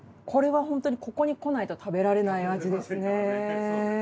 これはホントにここに来ないと食べられない味ですね。